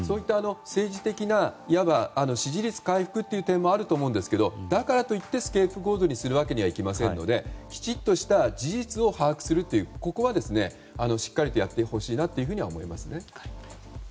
政治的な支持率回復という点もあると思いますがだからといってスケープゴートにするわけにもいきませんのできちっとした事実を把握するというここはしっかりやってほしいと思いますね。